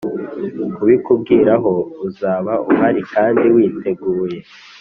kubikubwiraho, uzaba uhari kandi witeguye